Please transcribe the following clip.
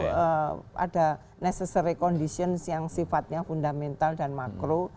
karena itu ada necessary conditions yang sifatnya fundamental dan makro